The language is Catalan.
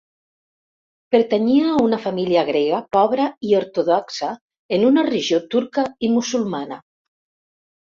Pertanyia a una família grega pobra i ortodoxa en una regió turca i musulmana.